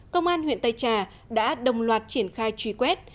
công an huyện tây trà đã đồng loạt triển khai truy quét